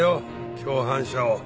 共犯者を。